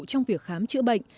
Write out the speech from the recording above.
trong việc khám chữa bệnh